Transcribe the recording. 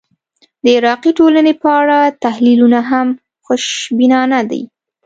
د عراقي ټولنې په اړه تحلیلونه هم خوشبینانه دي.